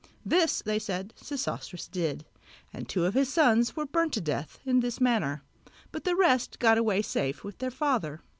This, they said, Sesostris did, and two of his sons were burnt to death in this manner, but the rest got away safe with their father.